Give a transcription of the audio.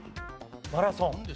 マラソン。